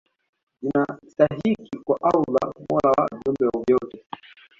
zinastahiki kwa Allah mola wa viumbe vyote